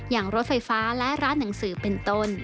รถไฟฟ้าและร้านหนังสือเป็นต้น